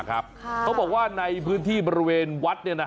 เขาบอกว่าในพื้นที่บริเวณวัด